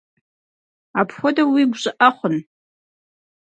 Апхуэдэу уигу щӀыӀэ хъун?